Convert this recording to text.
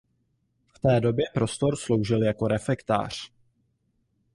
V té době prostor sloužil jako refektář.